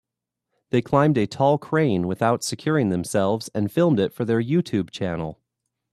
They climbed a tall crane without securing themselves and filmed it for their YouTube channel.